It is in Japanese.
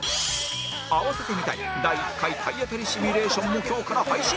併せて見たい第１回体当たりシミュレーションも今日から配信